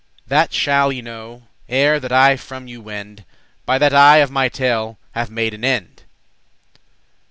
That shall ye know, ere that I from you wend; By that I of my tale have made an end.